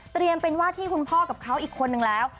เป็นวาดที่คุณพ่อกับเขาอีกคนนึงแล้ว